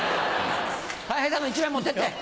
たい平さんの１枚持ってって！